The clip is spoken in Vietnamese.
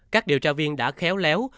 các điều tra viên đã khéo léo